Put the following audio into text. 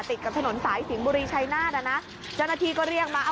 ติดกับถนนสายสิงบุรีชายนาฏอ่ะนะจันทีก็เรียกมาอ่ะ